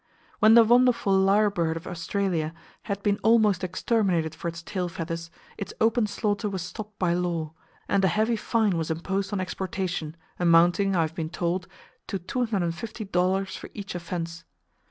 When the wonderful lyre bird of Australia had been almost exterminated for its tail feathers, its open slaughter was stopped by law, and a heavy fine was imposed on exportation, amounting, I have been told, to $250 for each offense.